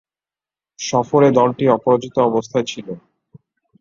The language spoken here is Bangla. সফরে দলটি অপরাজিত অবস্থায় ছিল।